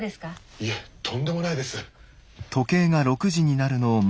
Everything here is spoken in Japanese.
いえとんでもないです。